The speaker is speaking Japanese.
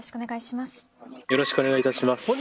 よろしくお願いします。